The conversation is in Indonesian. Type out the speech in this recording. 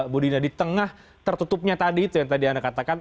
budina di tengah tertutupnya tadi itu yang tadi anda katakan